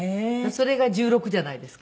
それが１６じゃないですか。